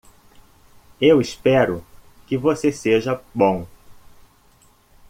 Eu espero que você seja bom!